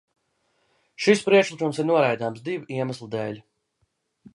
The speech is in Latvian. Šis priekšlikums ir noraidāms divu iemeslu dēļ.